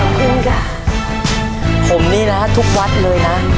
คุณค่ะผมนี่นะทุกวัดเลยนะ